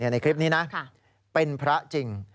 ในคลิปนี้นะเป็นพระจริง